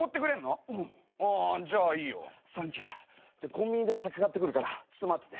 コンビニで酒買ってくるからちょっと待ってて。